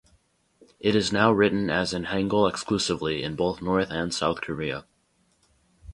It is now written as in Hangul exclusively, in both North and South Korea.